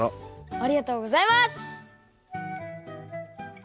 ありがとうございます！